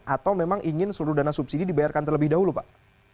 atau memang ingin seluruh dana subsidi dibayarkan terlebih dahulu pak